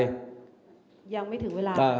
ยังไม่ถึงเวลา